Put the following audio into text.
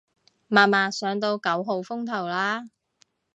默默上到九號風球嘞